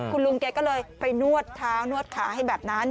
คุณลุงแกก็เลยไปนวดเท้านวดขาให้แบบนั้น